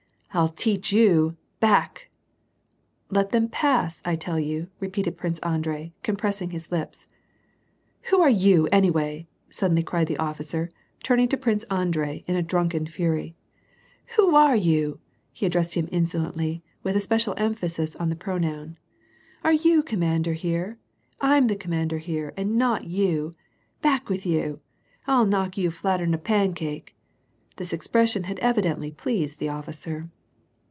" I'll teach you. Back !"" Let them pass, I tell you," repeated Prince Andrei, com pressing his lips. " Who are you, anyway ?" suddenly cried the officer, turn ing to Prince Andrei, in a drunken fury. " Who are you ? (he addressed him insolently, with a special emphasis on the pro noun.) Are you coniinaiider here ? I'm the commander here, and not you ! Back with you, I'll knock you flatter'n a pan cake." This ex])rpssion had evidently pleased the officer.